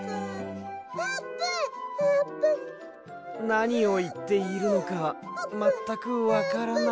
なにをいっているのかまったくわからない。